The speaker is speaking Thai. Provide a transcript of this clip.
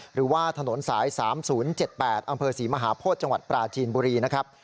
หรือว่าถนนสาย๓๐๗๘อำเภอศรีมหาโพธิจังหวัดปราจีนบุรีนะครับ